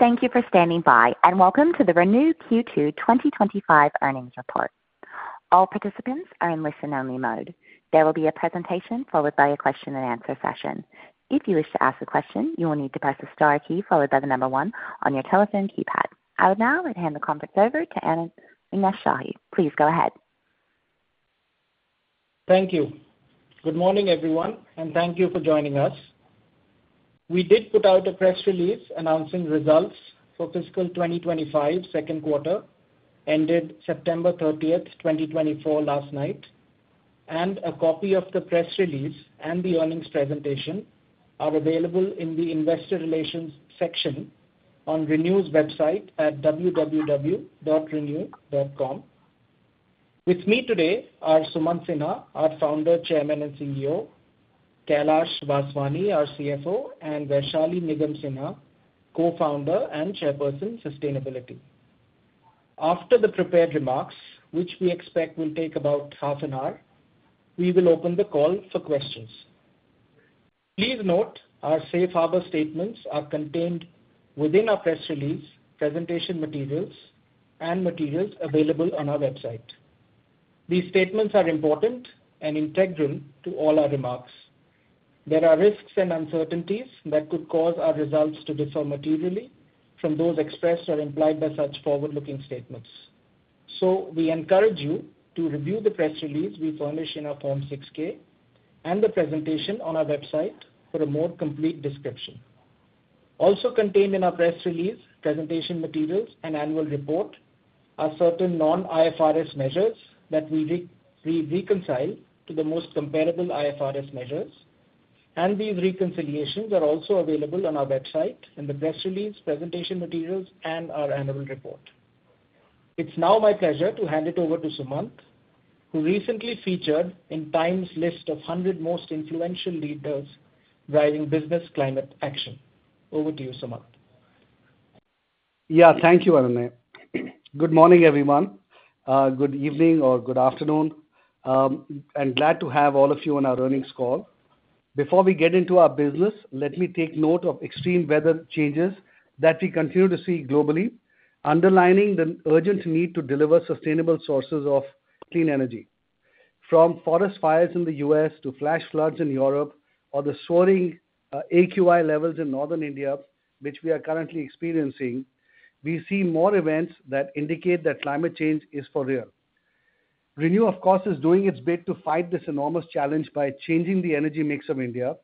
Thank you for standing by, and welcome to the ReNew Q2 2025 earnings report. All participants are in listen-only mode. There will be a presentation followed by a question-and-answer session. If you wish to ask a question, you will need to press the star key followed by the number one on your telephone keypad. I will now hand the conference over to Anunay Shahi. Please go ahead. Thank you. Good morning, everyone, and thank you for joining us. We did put out a press release announcing results for fiscal 2025 second quarter, ended September 30, 2024, last night, and a copy of the press release and the earnings presentation are available in the investor relations section on ReNew's website at www.renew.com. With me today are Sumant Sinha, our Founder, Chairman, and CEO; Kailash Vaswani, our CFO; and Vaishali Nigam Sinha, Co-Founder and Chairperson, Sustainability. After the prepared remarks, which we expect will take about half an hour, we will open the call for questions. Please note our safe harbor statements are contained within our press release, presentation materials, and materials available on our website. These statements are important and integral to all our remarks. There are risks and uncertainties that could cause our results to differ materially from those expressed or implied by such forward-looking statements. So we encourage you to review the press release we furnish in our Form 6-K and the presentation on our website for a more complete description. Also contained in our press release, presentation materials, and annual report are certain non-IFRS measures that we reconcile to the most comparable IFRS measures, and these reconciliations are also available on our website in the press release, presentation materials, and our annual report. It's now my pleasure to hand it over to Sumant, who recently featured in Time's list of 100 most influential leaders driving business climate action. Over to you, Sumant. Yeah, thank you, Anunay. Good morning, everyone. Good evening or good afternoon. I'm glad to have all of you on our earnings call. Before we get into our business, let me take note of extreme weather changes that we continue to see globally, underlining the urgent need to deliver sustainable sources of clean energy. From forest fires in the U.S. to flash floods in Europe or the soaring AQI levels in Northern India, which we are currently experiencing, we see more events that indicate that climate change is for real. ReNew, of course, is doing its bit to fight this enormous challenge by changing the energy mix of India,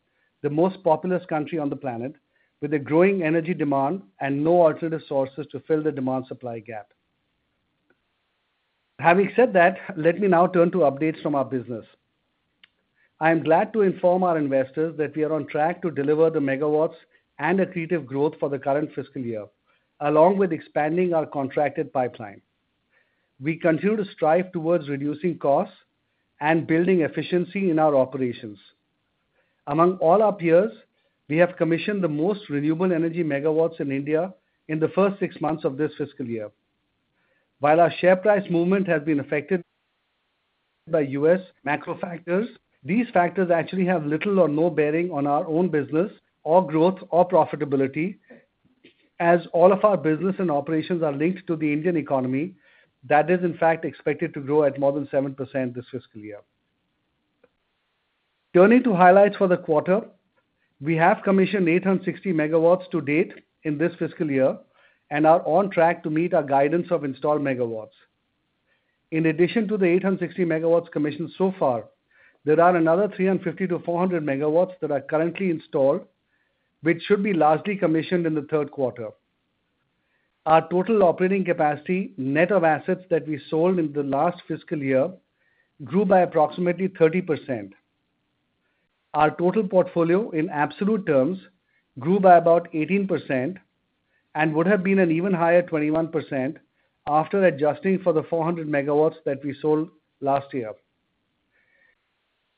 the most populous country on the planet, with a growing energy demand and no alternative sources to fill the demand-supply gap. Having said that, let me now turn to updates from our business. I am glad to inform our investors that we are on track to deliver the megawatts and accretive growth for the current fiscal year, along with expanding our contracted pipeline. We continue to strive towards reducing costs and building efficiency in our operations. Among all our peers, we have commissioned the most renewable energy megawatts in India in the first six months of this fiscal year. While our share price movement has been affected by U.S. macro factors, these factors actually have little or no bearing on our own business or growth or profitability, as all of our business and operations are linked to the Indian economy that is, in fact, expected to grow at more than 7% this fiscal year. Turning to highlights for the quarter, we have commissioned 860MW to date in this fiscal year and are on track to meet our guidance of installed megawatts. In addition to the 860MW commissioned so far, there are another 350MW-400 MW that are currently installed, which should be largely commissioned in the third quarter. Our total operating capacity, net of assets that we sold in the last fiscal year, grew by approximately 30%. Our total portfolio, in absolute terms, grew by about 18% and would have been an even higher 21% after adjusting for the 400MW that we sold last year.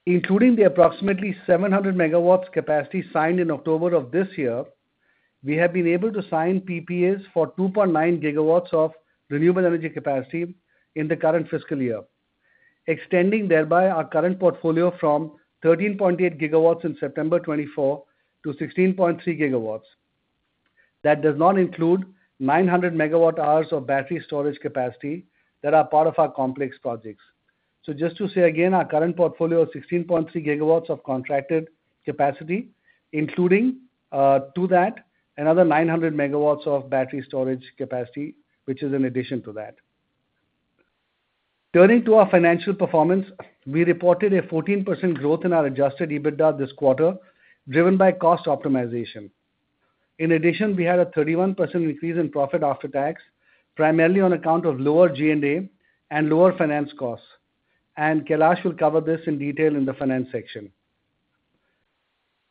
Including the approximately 700MW capacity signed in October of this year, we have been able to sign PPAs for 2.9GW of renewable energy capacity in the current fiscal year, extending thereby our current portfolio from 13.8GW in September 2024 to 16.3GW. That does not include 900 megawatt-hours of battery storage capacity that are part of our complex projects. Just to say again, our current portfolio of 16.3GW of contracted capacity, including to that another 900MW of battery storage capacity, which is in addition to that. Turning to our financial performance, we reported a 14% growth in our adjusted EBITDA this quarter, driven by cost optimization. In addition, we had a 31% increase in profit after tax, primarily on account of lower G&A and lower finance costs. And Kailash will cover this in detail in the finance section.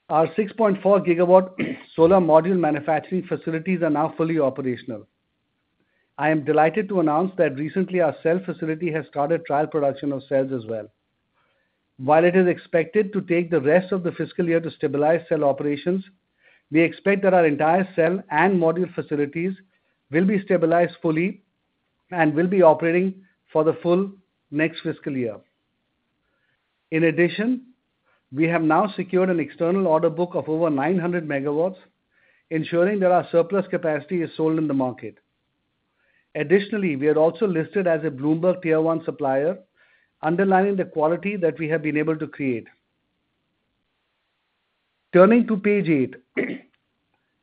Our 6.4GW solar module manufacturing facilities are now fully operational. I am delighted to announce that recently our cell facility has started trial production of cells as well. While it is expected to take the rest of the fiscal year to stabilize cell operations, we expect that our entire cell and module facilities will be stabilized fully and will be operating for the full next fiscal year. In addition, we have now secured an external order book of over 900MW, ensuring that our surplus capacity is sold in the market. Additionally, we are also listed as a Bloomberg Tier 1 supplier, underlining the quality that we have been able to create. Turning to page eight,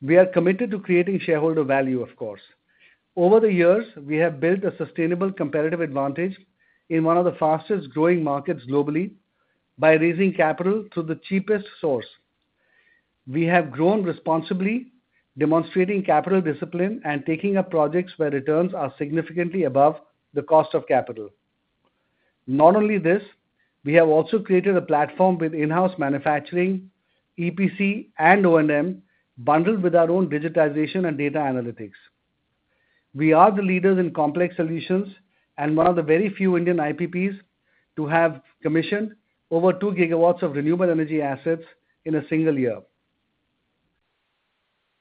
we are committed to creating shareholder value, of course. Over the years, we have built a sustainable competitive advantage in one of the fastest-growing markets globally by raising capital through the cheapest source. We have grown responsibly, demonstrating capital discipline and taking up projects where returns are significantly above the cost of capital. Not only this, we have also created a platform with in-house manufacturing, EPC, and O&M bundled with our own digitization and data analytics. We are the leaders in complex solutions and one of the very few Indian IPPs to have commissioned over 2GW of renewable energy assets in a single year.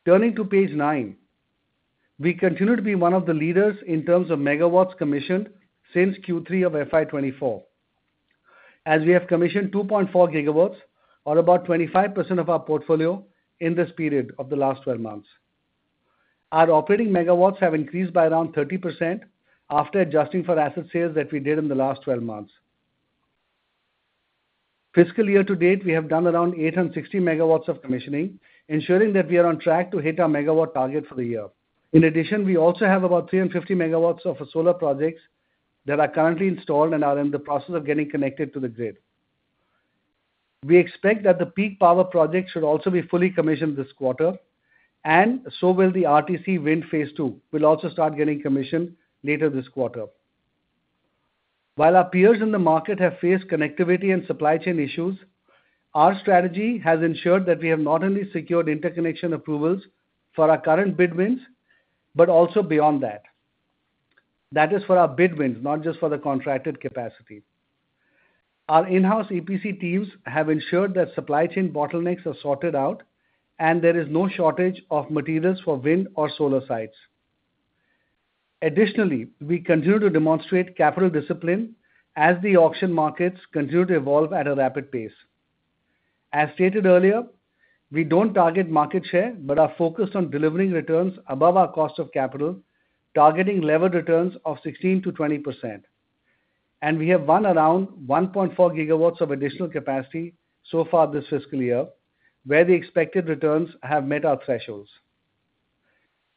Turning to page nine, we continue to be one of the leaders in terms of megawatts commissioned since Q3 of FY24, as we have commissioned 2.4GW, or about 25% of our portfolio, in this period of the last 12 months. Our operating megawatts have increased by around 30% after adjusting for asset sales that we did in the last 12 months. Fiscal year to date, we have done around 860MW of commissioning, ensuring that we are on track to hit our megawatt target for the year. In addition, we also have about 350MW of solar projects that are currently installed and are in the process of getting connected to the grid. We expect that the peak power projects should also be fully commissioned this quarter, and so will the RTC wind phase two, which will also start getting commissioned later this quarter. While our peers in the market have faced connectivity and supply chain issues, our strategy has ensured that we have not only secured interconnection approvals for our current bid wins, but also beyond that. That is for our bid wins, not just for the contracted capacity. Our in-house EPC teams have ensured that supply chain bottlenecks are sorted out, and there is no shortage of materials for wind or solar sites. Additionally, we continue to demonstrate capital discipline as the auction markets continue to evolve at a rapid pace. As stated earlier, we don't target market share, but are focused on delivering returns above our cost of capital, targeting levered returns of 16%-20%. And we have won around 1.4GW of additional capacity so far this fiscal year, where the expected returns have met our thresholds.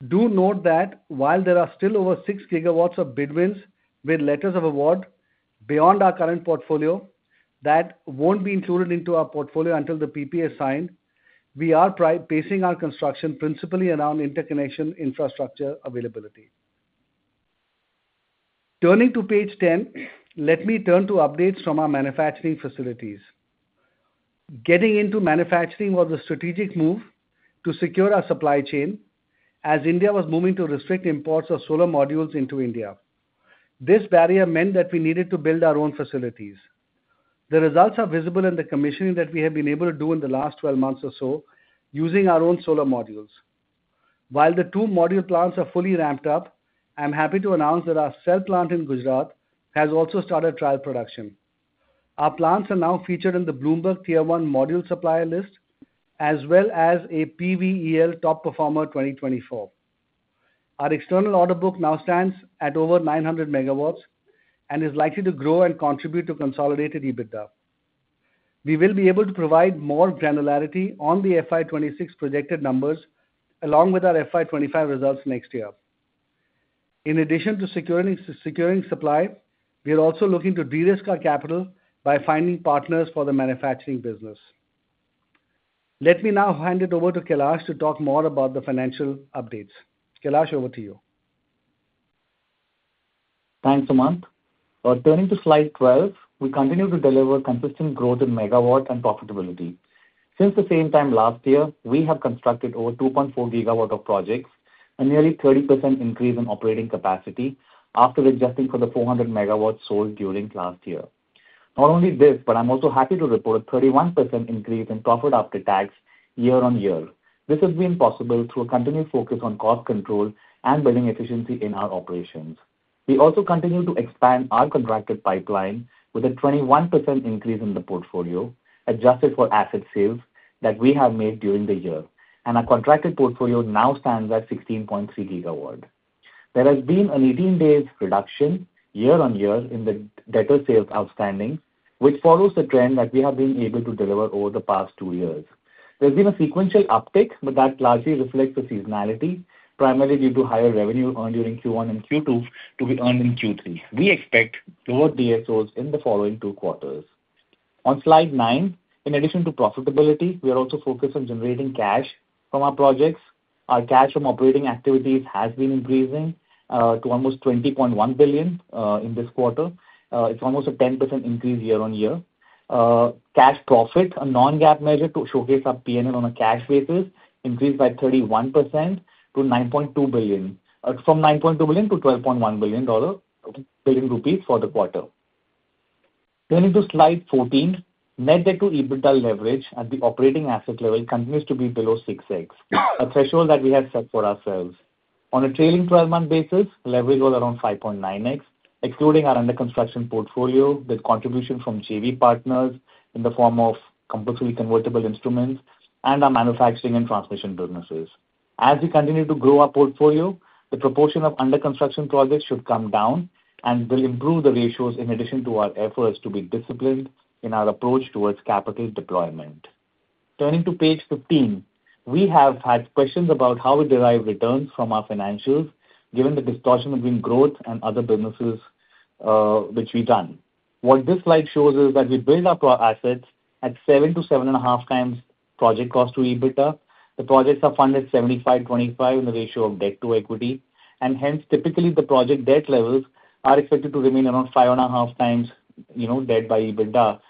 Do note that while there are still over 6GW of bid wins with letters of award beyond our current portfolio that won't be included into our portfolio until the PPA is signed, we are pacing our construction principally around interconnection infrastructure availability. Turning to page 10, let me turn to updates from our manufacturing facilities. Getting into manufacturing was a strategic move to secure our supply chain as India was moving to restrict imports of solar modules into India. This barrier meant that we needed to build our own facilities. The results are visible in the commissioning that we have been able to do in the last 12 months or so using our own solar modules. While the two module plants are fully ramped up, I'm happy to announce that our cell plant in Gujarat has also started trial production. Our plants are now featured in the Bloomberg Tier 1 module supplier list, as well as a PVEL Top Performer 2024. Our external order book now stands at over 900MW and is likely to grow and contribute to consolidated EBITDA. We will be able to provide more granularity on the FY26 projected numbers along with our FY25 results next year. In addition to securing supply, we are also looking to de-risk our capital by finding partners for the manufacturing business. Let me now hand it over to Kailash to talk more about the financial updates. Kailash, over to you. Thanks, Sumant. Turning to slide 12, we continue to deliver consistent growth in megawatts and profitability. Since the same time last year, we have constructed over 2.4GW of projects, a nearly 30% increase in operating capacity after adjusting for the 400MW sold during last year. Not only this, but I'm also happy to report a 31% increase in profit after tax year on year. This has been possible through a continued focus on cost control and building efficiency in our operations. We also continue to expand our contracted pipeline with a 21% increase in the portfolio adjusted for asset sales that we have made during the year, and our contracted portfolio now stands at 16.3GW. There has been an 18-day reduction year on year in the days sales outstanding, which follows the trend that we have been able to deliver over the past two years. There's been a sequential uptick, but that largely reflects the seasonality, primarily due to higher revenue earned during Q1 and Q2 to be earned in Q3. We expect lower DSOs in the following two quarters. On slide nine, in addition to profitability, we are also focused on generating cash from our projects. Our cash from operating activities has been increasing to almost 20.1 billion in this quarter. It's almost a 10% increase year on year. Cash profit, a non-GAAP measure to showcase our P&L on a cash basis, increased by 31% to 9.2 billion, from 9.2 billion to INR 12.1 billion for the quarter. Turning to slide 14, net debt to EBITDA leverage at the operating asset level continues to be below 6X, a threshold that we have set for ourselves. On a trailing 12-month basis, leverage was around 5.9x, excluding our under-construction portfolio with contribution from JV partners in the form of compulsory convertible instruments and our manufacturing and transmission businesses. As we continue to grow our portfolio, the proportion of under-construction projects should come down and will improve the ratios in addition to our efforts to be disciplined in our approach towards capital deployment. Turning to page 15, we have had questions about how we derive returns from our financials, given the distortion of growth and other businesses which we've done. What this slide shows is that we build up our assets at 7 to 7.5 times project cost to EBITDA. The projects are funded 75-25 in the ratio of debt to equity, and hence, typically, the project debt levels are expected to remain around 5.5 times debt to EBITDA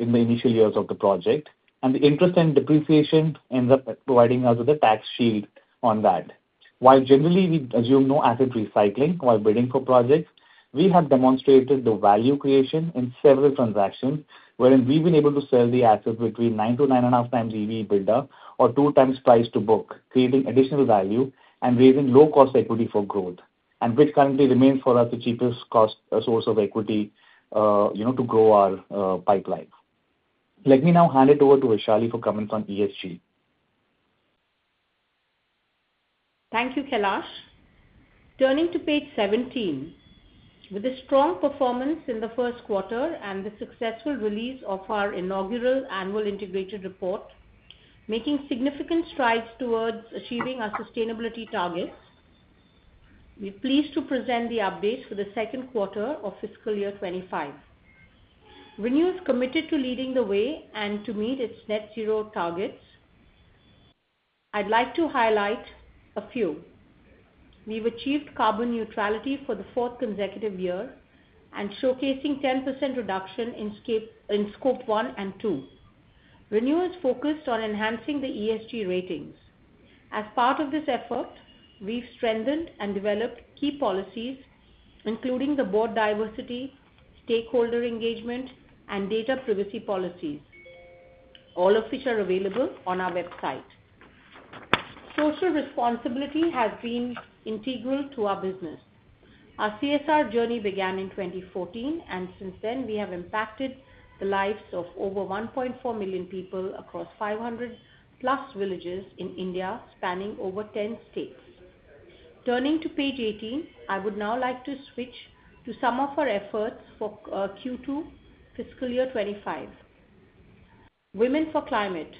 in the initial years of the project. And the interest and depreciation ends up providing us with a tax shield on that. While generally we assume no asset recycling while bidding for projects, we have demonstrated the value creation in several transactions wherein we've been able to sell the asset between 9-9.5 times EV EBITDA or 2 times price to book, creating additional value and raising low-cost equity for growth, which currently remains for us the cheapest cost source of equity to grow our pipeline. Let me now hand it over to Vaishali for comments on ESG. Thank you, Kailash. Turning to page 17, with a strong performance in the first quarter and the successful release of our inaugural annual integrated report, making significant strides towards achieving our sustainability targets, we're pleased to present the updates for the second quarter of fiscal year 2025. ReNew is committed to leading the way and to meet its net zero targets. I'd like to highlight a few. We've achieved carbon neutrality for the fourth consecutive year and showcasing 10% reduction in Scope one and two. ReNew is focused on enhancing the ESG ratings. As part of this effort, we've strengthened and developed key policies, including the board diversity, stakeholder engagement, and data privacy policies, all of which are available on our website. Social responsibility has been integral to our business. Our CSR journey began in 2014, and since then, we have impacted the lives of over 1.4 million people across 500-plus villages in India, spanning over 10 states. Turning to page 18, I would now like to switch to some of our efforts for Q2, fiscal year 2025. Women for Climate.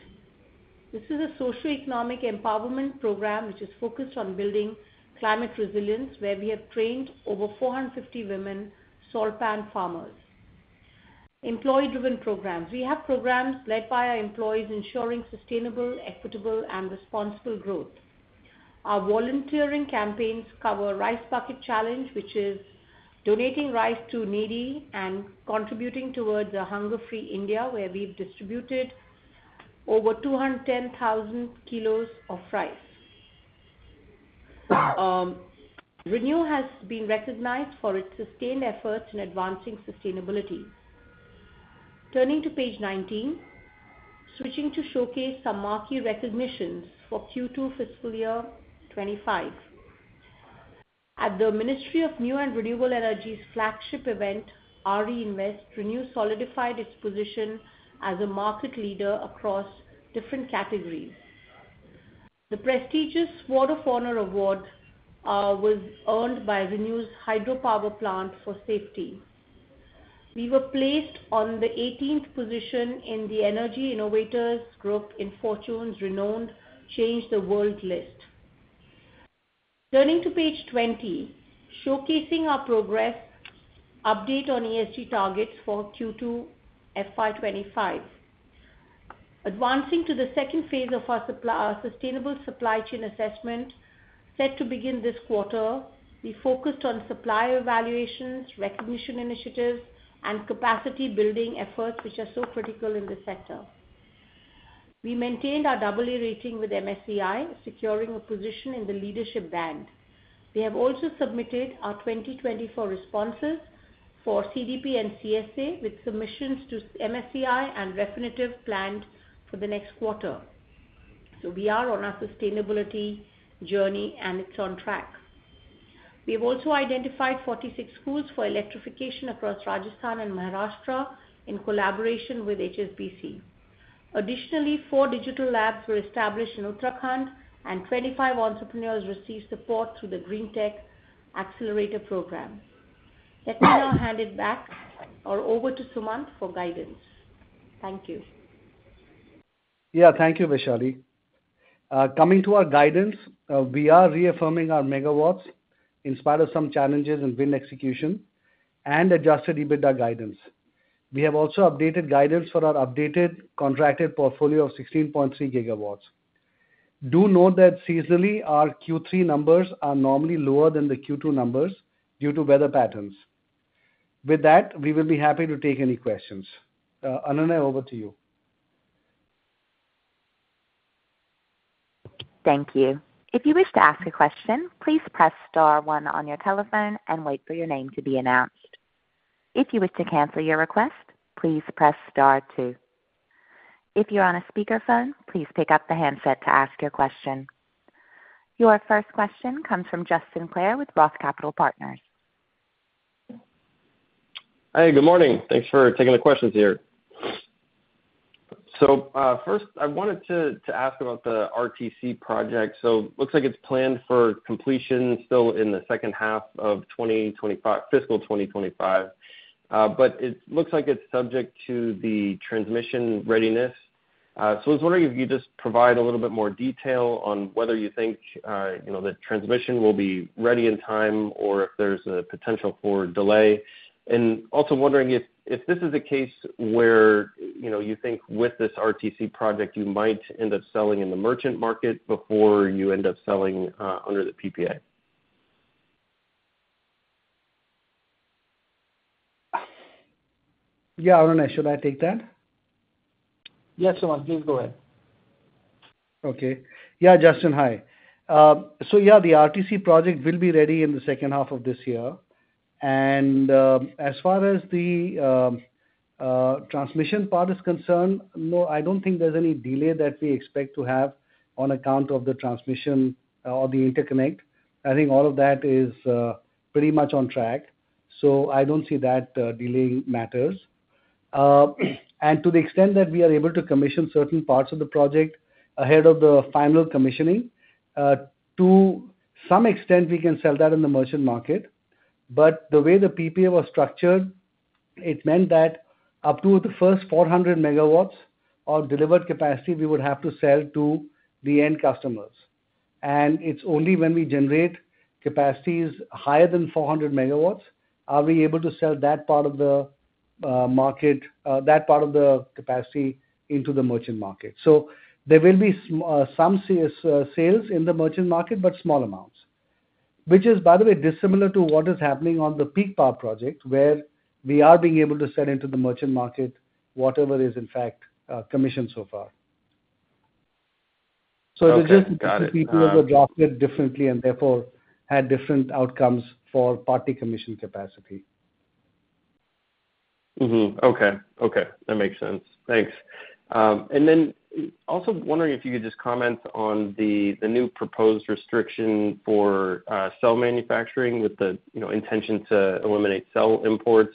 This is a socioeconomic empowerment program which is focused on building climate resilience, where we have trained over 450 women solar panel farmers. Employee-driven programs. We have programs led by our employees, ensuring sustainable, equitable, and responsible growth. Our volunteering campaigns cover Rice Bucket Challenge, which is donating rice to needy, and contributing towards a hunger-free India, where we've distributed over 210,000 kilos of rice. ReNew has been recognized for its sustained efforts in advancing sustainability. Turning to page 19, switching to showcase some marquee recognitions for Q2, fiscal year 2025. At the Ministry of New and Renewable Energy's flagship event, RE-INVEST, ReNew solidified its position as a market leader across different categories. The prestigious Sword of Honour Award was earned by ReNew's hydropower plant for safety. We were placed on the 18th position in the Energy Innovators Group in Fortune's renowned Change the World list. Turning to page 20, showcasing our progress update on ESG targets for Q2, FY2025. Advancing to the second phase of our sustainable supply chain assessment set to begin this quarter, we focused on supplier evaluations, recognition initiatives, and capacity-building efforts, which are so critical in the sector. We maintained our AA rating with MSCI, securing a position in the leadership band. We have also submitted our 2024 responses for CDP and CSA with submissions to MSCI and Refinitiv planned for the next quarter. We are on our sustainability journey, and it's on track. We have also identified 46 schools for electrification across Rajasthan and Maharashtra in collaboration with HSBC. Additionally, four digital labs were established in Uttarakhand, and 25 entrepreneurs received support through the GreenTech Accelerator program. Let me now hand it back or over to Sumant for guidance. Thank you. Yeah, thank you, Vaishali. Coming to our guidance, we are reaffirming our megawatts in spite of some challenges in wind execution and adjusted EBITDA guidance. We have also updated guidance for our updated contracted portfolio of 16.3GW. Do note that seasonally, our Q3 numbers are normally lower than the Q2 numbers due to weather patterns. With that, we will be happy to take any questions. Anunay, over to you. Thank you. If you wish to ask a question, please press star one on your telephone and wait for your name to be announced. If you wish to cancel your request, please press star two. If you're on a speakerphone, please pick up the handset to ask your question. Your first question comes from Justin Clare with ROTH Capital Partners. Hi, good morning. Thanks for taking the questions here. So first, I wanted to ask about the RTC project. So it looks like it's planned for completion still in the second half of fiscal 2025, but it looks like it's subject to the transmission readiness. So I was wondering if you could just provide a little bit more detail on whether you think the transmission will be ready in time or if there's a potential for delay? And also wondering if this is a case where you think with this RTC project, you might end up selling in the merchant market before you end up selling under the PPA? Yeah, Anunay, should I take that? Yes, Sumant, please go ahead. Okay. Yeah, Justin, hi. So yeah, the RTC project will be ready in the second half of this year. And as far as the transmission part is concerned, no, I don't think there's any delay that we expect to have on account of the transmission or the interconnect. I think all of that is pretty much on track. So I don't see that delaying matters. And to the extent that we are able to commission certain parts of the project ahead of the final commissioning, to some extent, we can sell that in the merchant market. But the way the PPA was structured, it meant that up to the first 400MW of delivered capacity, we would have to sell to the end customers. It's only when we generate capacities higher than 400MW are we able to sell that part of the market, that part of the capacity into the merchant market. So there will be some sales in the merchant market, but small amounts, which is, by the way, dissimilar to what is happening on the Peak Power Project, where we are being able to sell into the merchant market whatever is, in fact, commissioned so far. So the PPA was adjusted differently and therefore had different outcomes for partly commissioned capacity. Okay. Okay. That makes sense. Thanks. And then also wondering if you could just comment on the new proposed restriction for cell manufacturing with the intention to eliminate cell imports.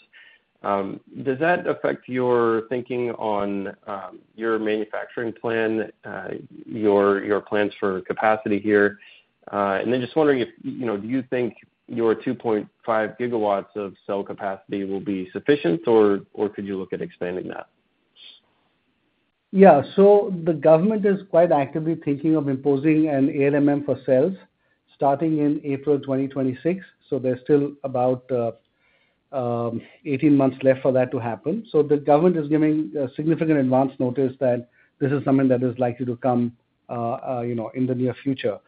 Does that affect your thinking on your manufacturing plan, your plans for capacity here? And then just wondering if you think your 2.5GW of cell capacity will be sufficient, or could you look at expanding that? Yeah. So the government is quite actively thinking of imposing an ALMM for cells starting in April 2026. So there's still about 18 months left for that to happen. So the government is giving significant advance notice that this is something that is likely to come in the near future.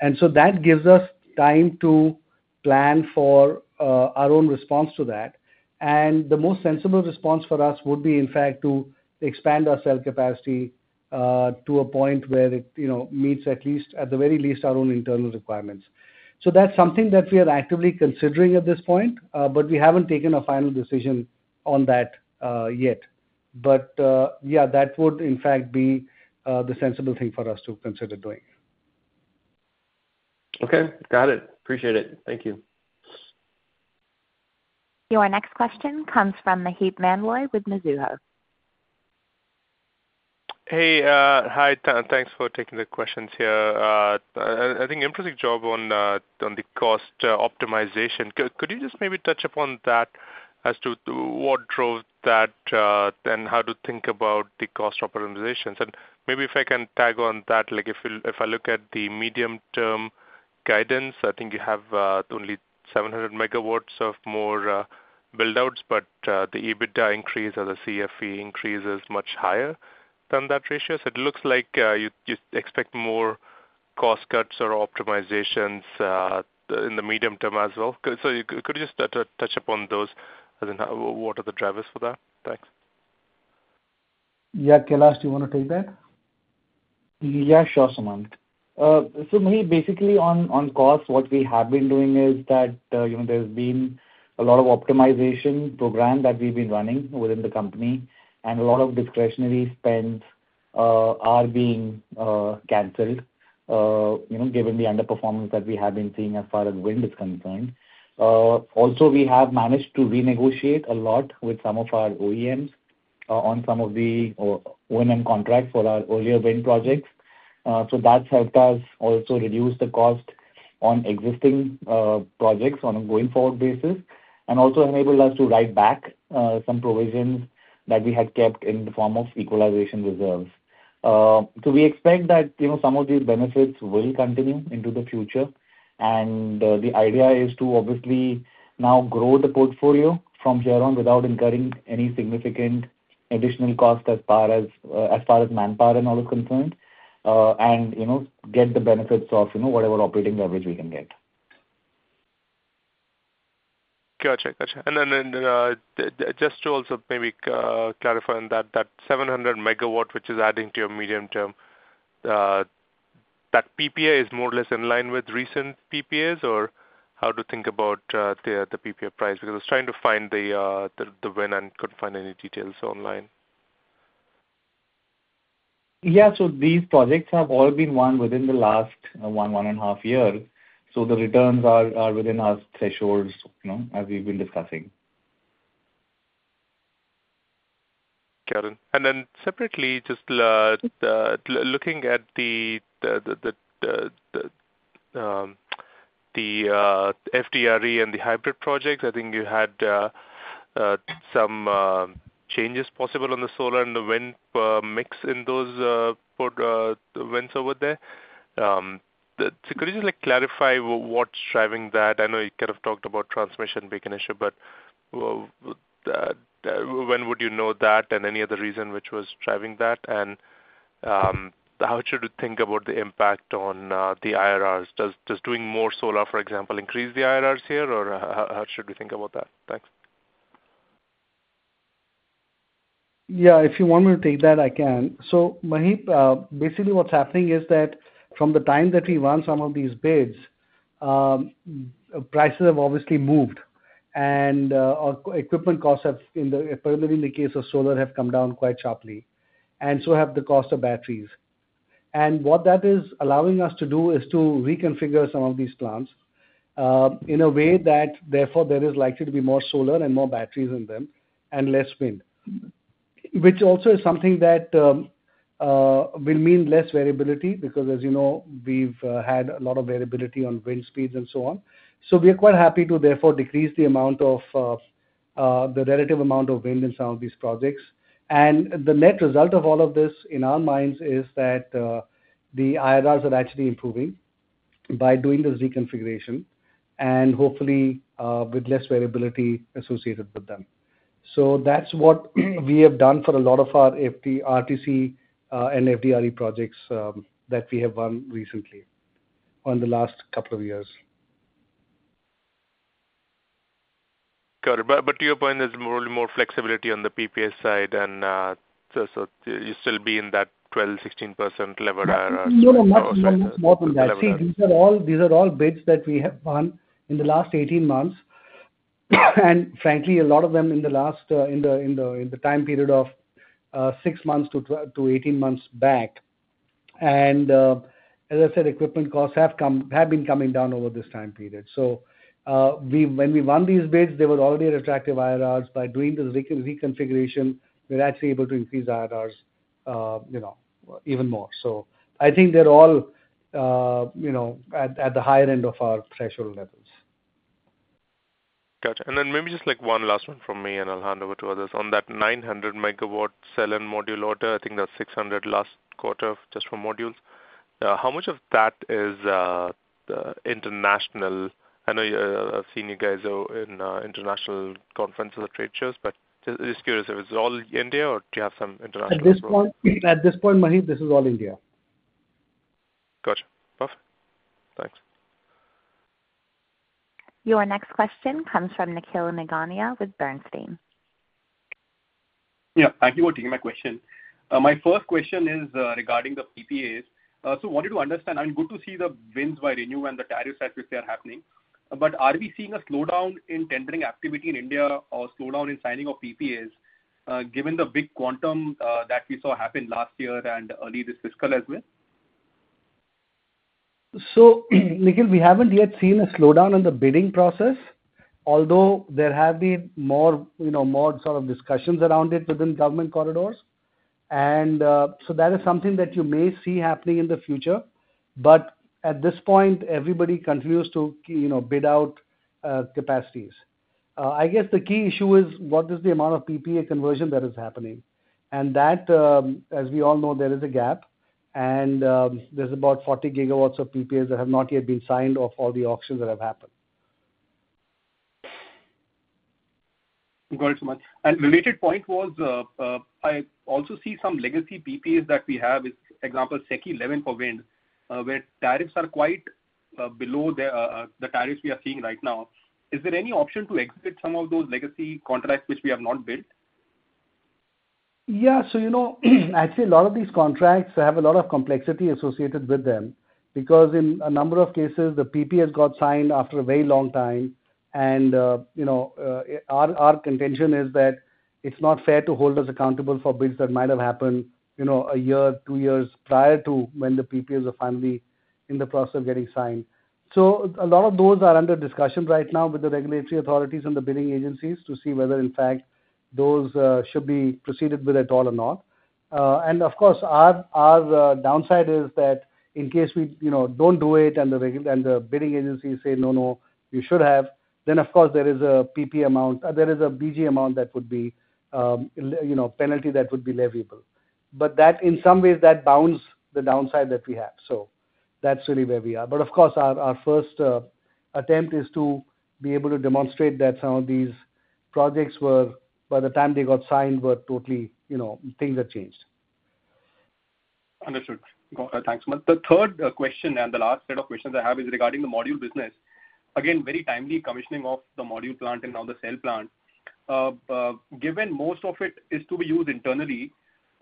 And so that gives us time to plan for our own response to that. And the most sensible response for us would be, in fact, to expand our cell capacity to a point where it meets, at least at the very least, our own internal requirements. So that's something that we are actively considering at this point, but we haven't taken a final decision on that yet. But yeah, that would, in fact, be the sensible thing for us to consider doing. Okay. Got it. Appreciate it. Thank you. Your next question comes from Maheep Mandloi with Mizuho. Hey, hi. Thanks for taking the questions here. I think, interesting job on the cost optimization. Could you just maybe touch upon that as to what drove that and how to think about the cost optimizations? And maybe if I can tag on that, if I look at the medium-term guidance, I think you have only 700MW of more buildouts, but the EBITDA increase or the CFE increase is much higher than that ratio. So it looks like you expect more cost cuts or optimizations in the medium term as well. So could you just touch upon those and what are the drivers for that? Thanks. Yeah, Kailash, do you want to take that? Yeah, sure, Sumant. So basically, on cost, what we have been doing is that there's been a lot of optimization program that we've been running within the company, and a lot of discretionary spends are being canceled given the underperformance that we have been seeing as far as wind is concerned. Also, we have managed to renegotiate a lot with some of our OEMs on some of the O&M contracts for our earlier wind projects. So that's helped us also reduce the cost on existing projects on a going-forward basis and also enabled us to write back some provisions that we had kept in the form of equalization reserves. So we expect that some of these benefits will continue into the future. The idea is to obviously now grow the portfolio from here on without incurring any significant additional cost as far as manpower and all is concerned and get the benefits of whatever operating leverage we can get. Gotcha. Gotcha. And then just to also maybe clarify on that, that 700MW, which is adding to your medium term, that PPA is more or less in line with recent PPAs, or how to think about the PPA price? Because I was trying to find the wind and couldn't find any details online. Yeah. So these projects have all been won within the last one, one and a half years. So the returns are within our thresholds as we've been discussing. Got it. And then separately, just looking at the FDRE and the hybrid projects, I think you had some changes possible on the solar and the wind mix in those winds over there. So could you just clarify what's driving that? I know you kind of talked about transmission being an issue, but when would you know that and any other reason which was driving that? And how should we think about the impact on the IRRs? Does doing more solar, for example, increase the IRRs here, or how should we think about that? Thanks. Yeah. If you want me to take that, I can. So Maheep, basically, what's happening is that from the time that we won some of these bids, prices have obviously moved, and equipment costs, particularly in the case of solar, have come down quite sharply. And so have the cost of batteries. And what that is allowing us to do is to reconfigure some of these plants in a way that therefore there is likely to be more solar and more batteries in them and less wind, which also is something that will mean less variability because, as you know, we've had a lot of variability on wind speeds and so on. So we are quite happy to therefore decrease the amount of the relative amount of wind in some of these projects. The net result of all of this in our minds is that the IRRs are actually improving by doing this reconfiguration and hopefully with less variability associated with them. That's what we have done for a lot of our RTC and FDRE projects that we have won recently in the last couple of years. Got it. But to your point, there's probably more flexibility on the PPA side, and so you still be in that 12%-16% level IRR. Yeah, not so much. Not more than that. See, these are all bids that we have won in the last 18 months. And frankly, a lot of them in the time period of six months to 18 months back. And as I said, equipment costs have been coming down over this time period. So when we won these bids, they were already attractive IRRs. By doing this reconfiguration, we're actually able to increase IRRs even more. So I think they're all at the higher end of our threshold levels. Gotcha, and then maybe just one last one from me, and I'll hand over to others. On that 900MW cell and module order, I think that's 600 last quarter just for modules. How much of that is international? I know I've seen you guys in international conferences or trade shows, but just curious if it's all India or do you have some international? At this point, Maheep, this is all India. Gotcha. Perfect. Thanks. Your next question comes from Nikhil Nigania with Bernstein. Yeah. Thank you for taking my question. My first question is regarding the PPAs. So I wanted to understand. I mean, good to see the winds were renewed and the tariffs are happening. But are we seeing a slowdown in tendering activity in India or slowdown in signing of PPAs given the big quantum that we saw happen last year and early this fiscal as well? So Nikhil, we haven't yet seen a slowdown in the bidding process, although there have been more sort of discussions around it within government corridors. And so that is something that you may see happening in the future. But at this point, everybody continues to bid out capacities. I guess the key issue is what is the amount of PPA conversion that is happening. And that, as we all know, there is a gap. And there's about 40GW of PPAs that have not yet been signed off all the auctions that have happened. Got it, Sumant. And related point was I also see some legacy PPAs that we have, for example, SECI XI for wind, where tariffs are quite below the tariffs we are seeing right now. Is there any option to exit some of those legacy contracts which we have not built? Yeah. So actually, a lot of these contracts have a lot of complexity associated with them because in a number of cases, the PPAs got signed after a very long time. And our contention is that it's not fair to hold us accountable for bids that might have happened a year, two years prior to when the PPAs are finally in the process of getting signed. So a lot of those are under discussion right now with the regulatory authorities and the bidding agencies to see whether, in fact, those should be proceeded with at all or not. And of course, our downside is that in case we don't do it and the bidding agencies say, "No, no, you should have," then, of course, there is a PP amount, there is a BG amount that would be a penalty that would be leviable. But in some ways, that bounds the downside that we have. So that's really where we are. But of course, our first attempt is to be able to demonstrate that some of these projects were, by the time they got signed, totally things had changed. Understood. Thanks, Sumant. The third question and the last set of questions I have is regarding the module business. Again, very timely commissioning of the module plant and now the cell plant. Given most of it is to be used internally,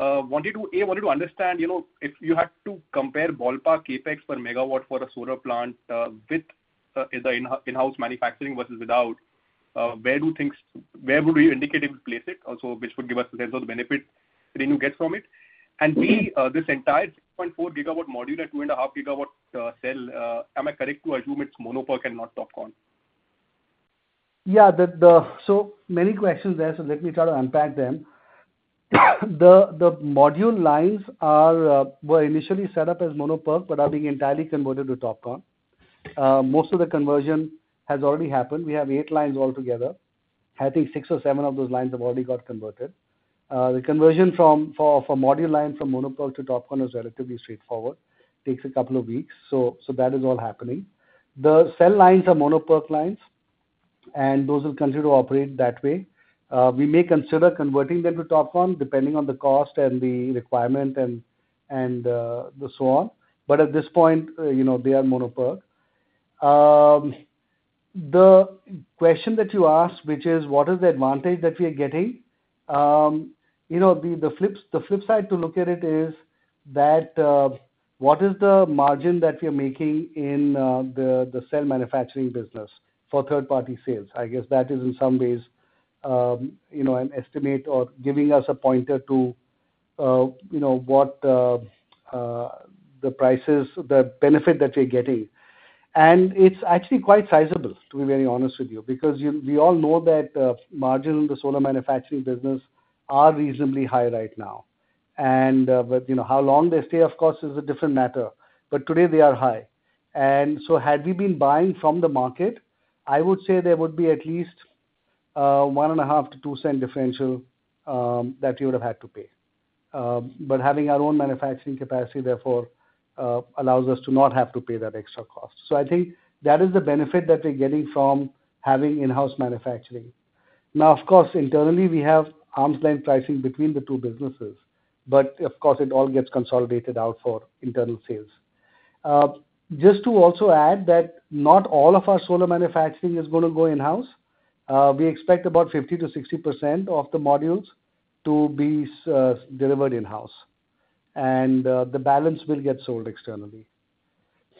A, wanted to understand if you had to compare ballpark CapEx per megawatt for a solar plant with the in-house manufacturing versus without, where would you indicatively place it? Also, which would give us a sense of the benefit ReNew gets from it? And B, this entire 6.4GW module and 2.5GW cell, am I correct to assume it's Mono PERC and not TOPCon? Yeah. So many questions there, so let me try to unpack them. The module lines were initially set up as Mono PERC, but are being entirely converted to TOPCon. Most of the conversion has already happened. We have eight lines altogether. I think six or seven of those lines have already got converted. The conversion for module line from Mono PERC to TOPCon is relatively straightforward. It takes a couple of weeks. So that is all happening. The cell lines are Mono PERC lines, and those will continue to operate that way. We may consider converting them to TOPCon depending on the cost and the requirement and so on. But at this point, they are Mono PERC. The question that you asked, which is, what is the advantage that we are getting? The flip side to look at it is that what is the margin that we are making in the cell manufacturing business for third-party sales? I guess that is, in some ways, an estimate or giving us a pointer to what the benefit that we're getting. And it's actually quite sizable, to be very honest with you, because we all know that margins in the solar manufacturing business are reasonably high right now. And how long they stay, of course, is a different matter. But today, they are high. And so had we been buying from the market, I would say there would be at least $0.015-$0.02 differential that we would have had to pay. But having our own manufacturing capacity, therefore, allows us to not have to pay that extra cost. So I think that is the benefit that we're getting from having in-house manufacturing. Now, of course, internally, we have arm's length pricing between the two businesses, but of course, it all gets consolidated out for internal sales. Just to also add that not all of our solar manufacturing is going to go in-house. We expect about 50%-60% of the modules to be delivered in-house, and the balance will get sold externally.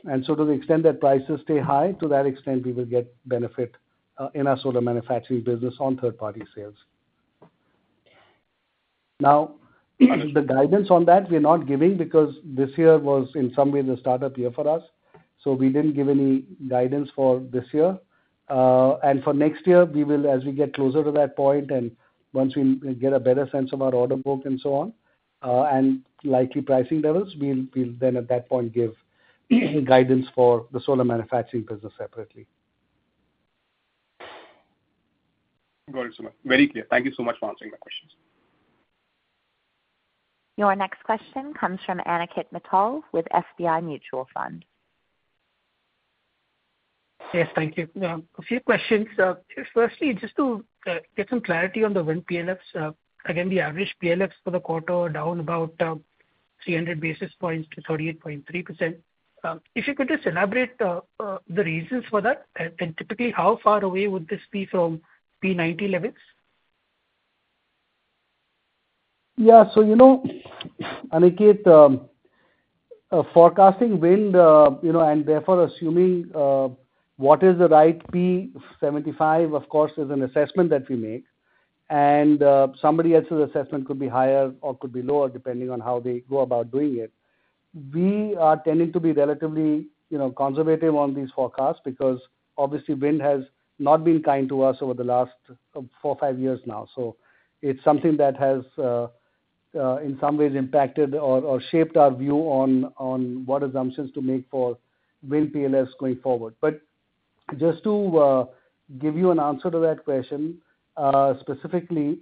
And so to the extent that prices stay high, to that extent, we will get benefit in our solar manufacturing business on third-party sales. Now, the guidance on that, we're not giving because this year was, in some ways, a startup year for us. So we didn't give any guidance for this year. For next year, as we get closer to that point and once we get a better sense of our order book and so on and likely pricing levels, we'll then at that point give guidance for the solar manufacturing business separately. Got it, Sumant. Very clear. Thank you so much for answering my questions. Your next question comes from Aniket Mittal with SBI Mutual Fund. Yes, thank you. A few questions. Firstly, just to get some clarity on the wind PLFs. Again, the average PLFs for the quarter are down about 300 basis points to 38.3%. If you could just elaborate the reasons for that and typically how far away would this be from P90 levels? Yeah. Aniket, forecasting wind and therefore assuming what is the right P75, of course, is an assessment that we make. Somebody else's assessment could be higher or could be lower depending on how they go about doing it. We are tending to be relatively conservative on these forecasts because obviously, wind has not been kind to us over the last four, five years now. It is something that has, in some ways, impacted or shaped our view on what assumptions to make for wind PLFs going forward. But just to give you an answer to that question, specifically,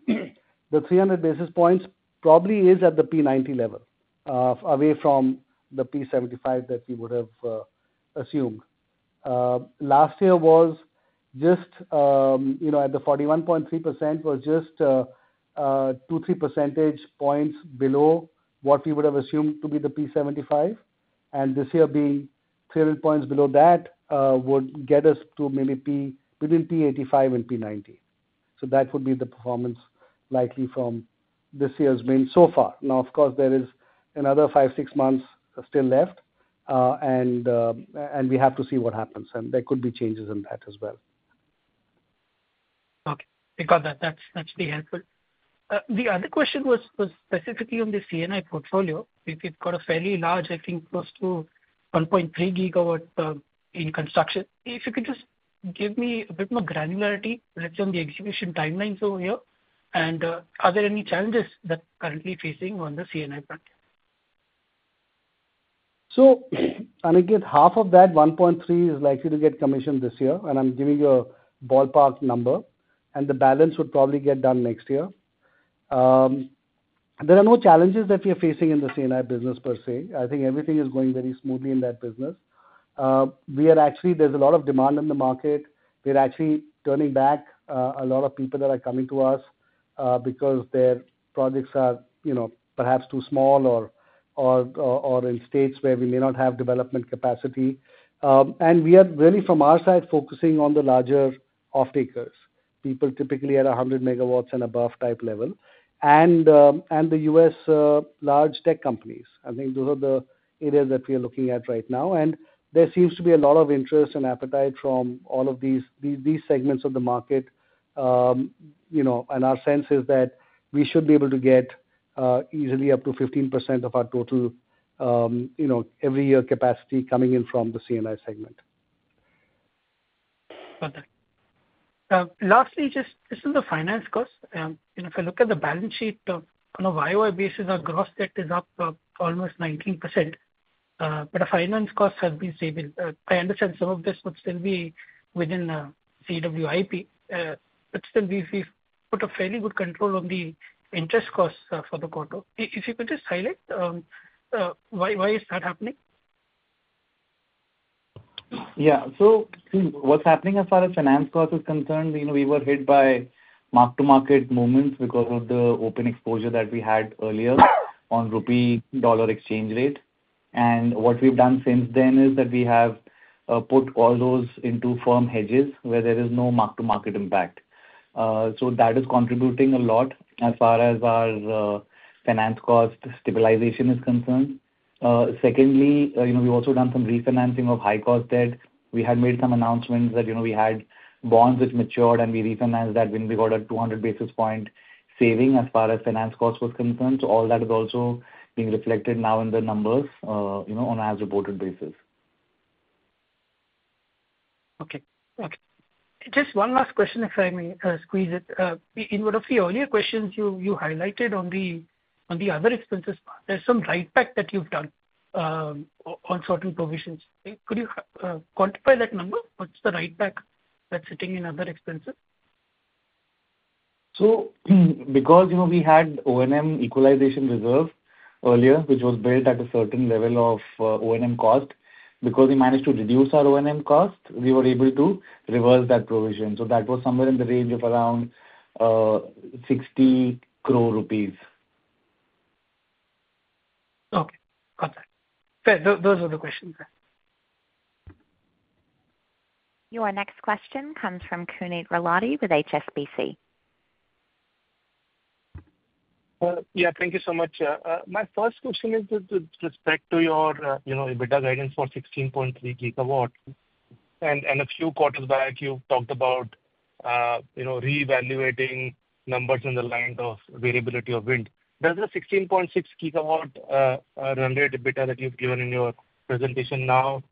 the 300 basis points probably is at the P90 level away from the P75 that we would have assumed. Last year was just at the 41.3% was just 2%-3% points below what we would have assumed to be the P75. And this year being 300 points below that would get us to maybe between P85 and P90. So that would be the performance likely from this year's wind so far. Now, of course, there is another five, six months still left, and we have to see what happens. And there could be changes in that as well. Okay. Got that. That's very helpful. The other question was specifically on the C&I portfolio. It's got a fairly large, I think, close to 1.3GW in construction. If you could just give me a bit more granularity, let's say on the execution timelines over here, and are there any challenges that are currently facing on the C&I front? Aniket, half of that 1.3 is likely to get commissioned this year, and I'm giving you a ballpark number. The balance would probably get done next year. There are no challenges that we are facing in the C&I business per se. I think everything is going very smoothly in that business. There's a lot of demand in the market. We're actually turning back a lot of people that are coming to us because their projects are perhaps too small or in states where we may not have development capacity. We are really, from our side, focusing on the larger off-takers, people typically at 100MW and above type level, and the U.S. large tech companies. I think those are the areas that we are looking at right now. There seems to be a lot of interest and appetite from all of these segments of the market. Our sense is that we should be able to get easily up to 15% of our total every year capacity coming in from the C&I segment. Got that. Lastly, just this is the finance cost. If I look at the balance sheet, on a YoY basis, our gross debt is up almost 19%. But our finance costs have been stable. I understand some of this would still be within CWIP, but still, we've put a fairly good control on the interest costs for the quarter. If you could just highlight why is that happening? Yeah. So what's happening as far as finance costs is concerned, we were hit by mark-to-market movements because of the open exposure that we had earlier on Rupee-Dollar exchange rate. And what we've done since then is that we have put all those into firm hedges where there is no mark-to-market impact. So that is contributing a lot as far as our finance cost stabilization is concerned. Secondly, we've also done some refinancing of high-cost debt. We had made some announcements that we had bonds which matured, and we refinanced that when we got a 200 basis point saving as far as finance costs was concerned. So all that is also being reflected now in the numbers on an as-reported basis. Just one last question, if I may squeeze it. In one of the earlier questions you highlighted on the other expenses, there's some write-back that you've done on certain provisions. Could you quantify that number? What's the write-back that's sitting in other expenses? Because we had O&M equalization reserve earlier, which was built at a certain level of O&M cost, because we managed to reduce our O&M cost, we were able to reverse that provision. That was somewhere in the range of around 60 crore rupees. Okay. Got that. Those are the questions. Your next question comes from Puneet Gulati with HSBC. Yeah. Thank you so much. My first question is with respect to your EBITDA guidance for 16.3GW. And a few quarters back, you talked about reevaluating numbers in the line of variability of wind. Does the 16.6GW run rate EBITDA that you've given in your presentation now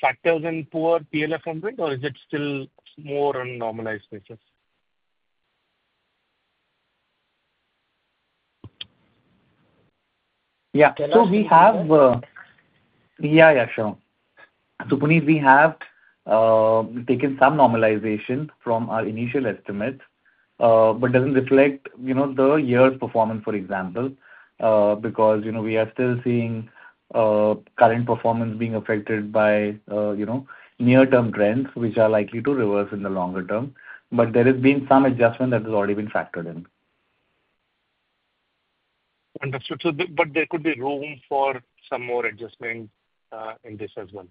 factor in poor PLF on wind, or is it still more on normalized basis? Yeah. So we have taken some normalization from our initial estimates, but it doesn't reflect the year's performance, for example, because we are still seeing current performance being affected by near-term trends, which are likely to reverse in the longer term. But there has been some adjustment that has already been factored in. Understood. But there could be room for some more adjustment in this as well.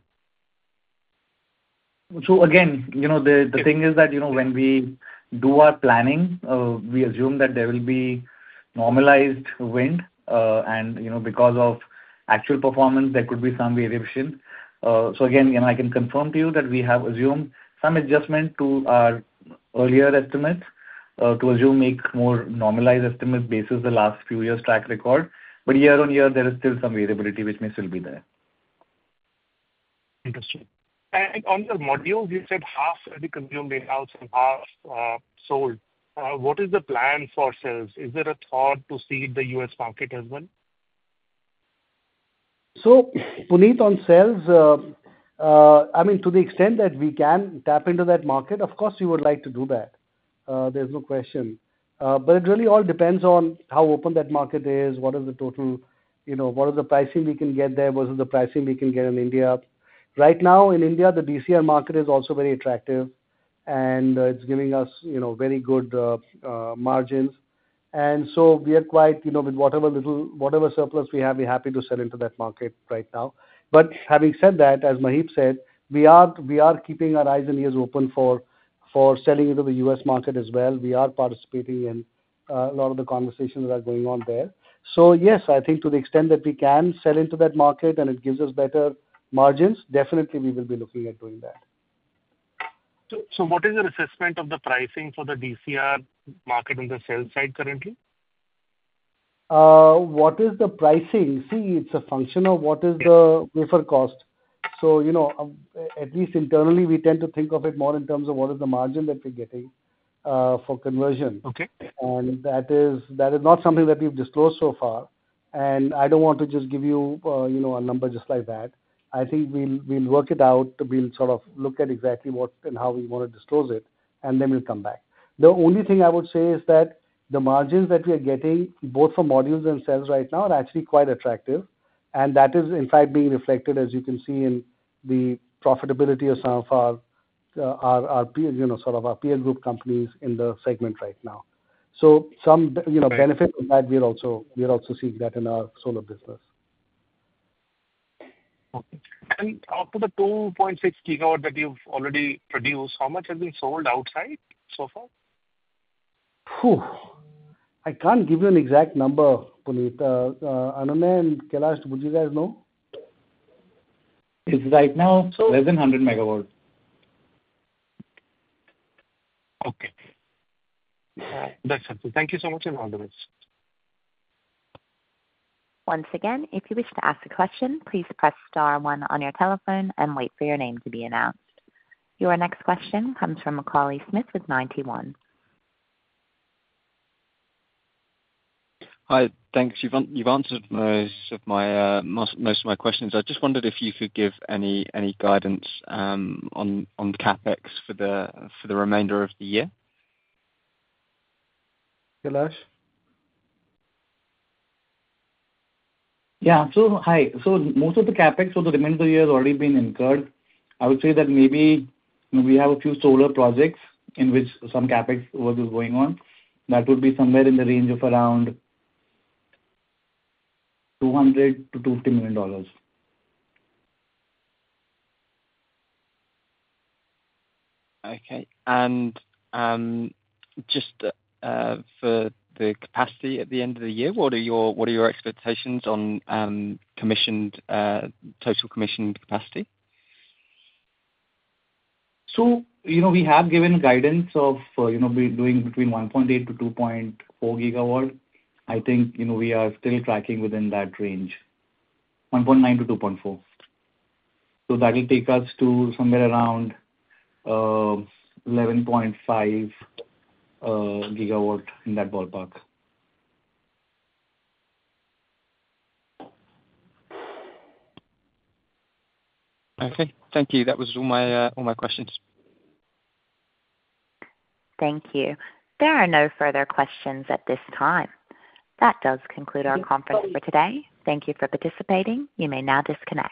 Again, the thing is that when we do our planning, we assume that there will be normalized wind. Because of actual performance, there could be some variation. Again, I can confirm to you that we have assumed some adjustment to our earlier estimates to assume more normalized estimates based on the last few years' track record. Year on year, there is still some variability which may still be there. Interesting. And on the modules, you said half have been consumed in-house and half sold. What is the plan for sales? Is there a thought to seed the U.S. market as well? So to meet on sales, I mean, to the extent that we can tap into that market, of course, we would like to do that. There's no question. But it really all depends on how open that market is, what is the total, what is the pricing we can get there versus the pricing we can get in India. Right now, in India, the DCR market is also very attractive, and it's giving us very good margins. And so we are quite with whatever surplus we have, we're happy to sell into that market right now. But having said that, as Maheep said, we are keeping our eyes and ears open for selling into the U.S. market as well. We are participating in a lot of the conversations that are going on there. So yes, I think to the extent that we can sell into that market and it gives us better margins, definitely we will be looking at doing that. So what is your assessment of the pricing for the DCR market on the sales side currently? What is the pricing? See, it's a function of what is the wafer cost. So at least internally, we tend to think of it more in terms of what is the margin that we're getting for conversion. And that is not something that we've disclosed so far. And I don't want to just give you a number just like that. I think we'll work it out. We'll sort of look at exactly what and how we want to disclose it, and then we'll come back. The only thing I would say is that the margins that we are getting, both for modules and sales right now, are actually quite attractive. And that is, in fact, being reflected, as you can see, in the profitability of some of our sort of peer group companies in the segment right now. Some benefit of that, we're also seeing that in our solar business. Out of the 2.6GW that you've already produced, how much has been sold outside so far? I can't give you an exact number, Puneet. Anunay and Kailash, would you guys know? It's right now less than 100MW. Okay. That's helpful. Thank you so much and all the best. Once again, if you wish to ask a question, please press star one on your telephone and wait for your name to be announced. Your next question comes from Macaulay Smith with Ninety One. Hi. Thanks. You've answered most of my questions. I just wondered if you could give any guidance on CapEx for the remainder of the year. Kailash? Yeah. So hi. So most of the CapEx for the remainder of the year has already been incurred. I would say that maybe we have a few solar projects in which some CapEx work is going on. That would be somewhere in the range of around $200 million-$250 million. Okay. And just for the capacity at the end of the year, what are your expectations on total commissioned capacity? We have given guidance of doing between 1.8GW-2.4GW. I think we are still tracking within that range, 1.9-2.4. That will take us to somewhere around 11.5GW in that ballpark. Okay. Thank you. That was all my questions. Thank you. There are no further questions at this time. That does conclude our conference for today. Thank you for participating. You may now disconnect.